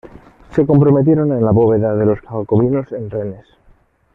Se comprometieron en la bóveda de los jacobinos en Rennes.